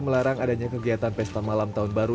melarang adanya kegiatan pesta malam tahun baru